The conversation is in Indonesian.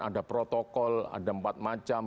ada protokol ada empat macam